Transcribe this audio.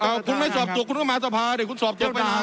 คุณไม่สอบตัวคุณก็มาสภาเดี๋ยวคุณสอบเยอะไปนาน